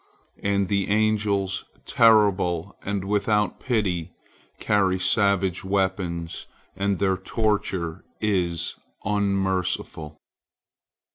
And the angels, terrible and without pity, carry savage weapons, and their torture is unmerciful.